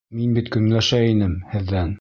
Мин бит көнләшә инем һеҙҙән.